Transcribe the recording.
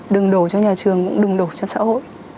đừng đổ cho nhà trường đừng đổ cho xã hội